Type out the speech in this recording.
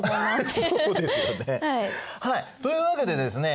そうですよね。というわけでですね